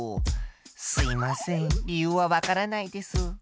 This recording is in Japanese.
すいません理由はわからないです。